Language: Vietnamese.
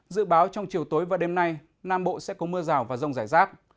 dự báo trong chiều tối và đêm nay nam bộ sẽ có mưa rào và rông rải rác